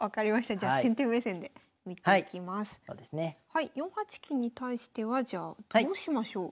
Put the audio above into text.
はい４八金に対してはじゃあどうしましょう？